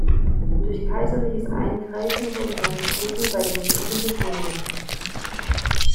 Durch kaiserliches Eingreifen wurden seine Schulden bei den Juden gestundet.